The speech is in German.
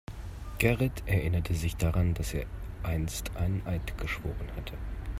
Gerrit erinnerte sich daran, dass er einst einen Eid geschworen hatte.